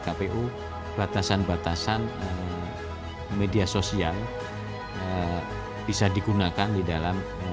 karena itu batasan batasan media sosial bisa digunakan di dalam